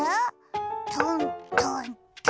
トントントーン。